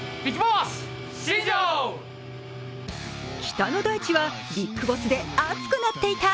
北の大地はビッグボスで熱くなっていた。